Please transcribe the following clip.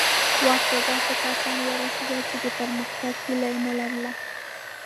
واک ته داسې کسان ورسېدل چې د پرمختګ هیله یې نه لرله.